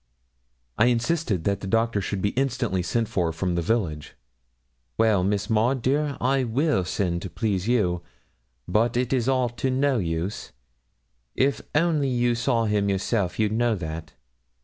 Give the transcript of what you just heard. I insisted that the doctor should be instantly sent for from the village. 'Well, Miss Maud, dear, I will send to please you, but it is all to no use. If only you saw him yourself you'd know that.